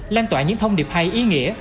lan tỏa những thông điệp hay ý nghĩa